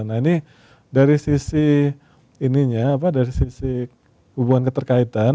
nah ini dari sisi ininya apa dari sisi hubungan keterkaitan